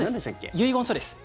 遺言書です。